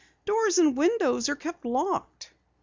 "Doors and windows are kept locked."